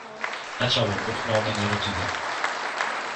Het zal worden opgenomen in de notulen.